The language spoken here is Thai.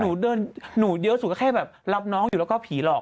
หนูเดินหนูเยอะสุดก็แค่แบบรับน้องอยู่แล้วก็ผีหลอก